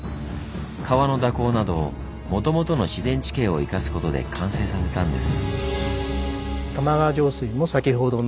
川の蛇行などもともとの自然地形を生かすことで完成させたんです。